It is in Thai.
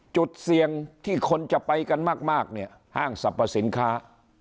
จุดเสี่ยงที่คนจะไปกันมากเนี่ยห้างสรรพสินค้า